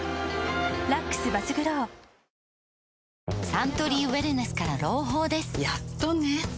サントリーウエルネスから朗報ですやっとね